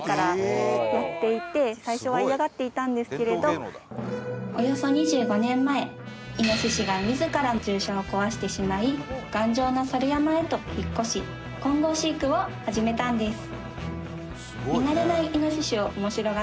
やっていておよそ２５年前イノシシが自ら獣舎を壊してしまい頑丈なサル山へと引っ越し混合飼育を始めたんです